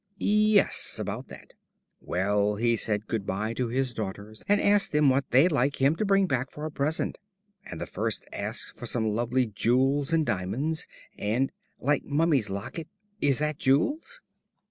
"Yes, about that. Well, he said good bye to his daughters and asked them what they'd like him to bring back for a present. And the first asked for some lovely jewels and diamonds and " "Like Mummy's locket is that jewels?"